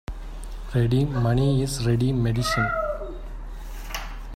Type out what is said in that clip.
Ready money is ready medicine.